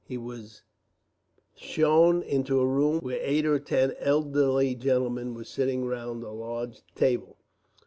He was shown into a room where eight or ten elderly gentlemen were sitting round a large table.